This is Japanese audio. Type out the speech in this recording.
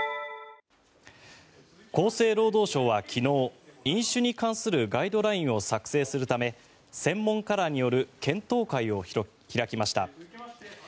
厚生労働省は昨日飲酒に関するガイドラインを作成するため専門家らによる検討会を開きました。